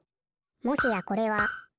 もしやこれは！？